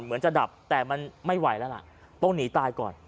เหมือนจะดับแต่มันไม่ไหวแล้วล่ะต้องหนีตายก่อน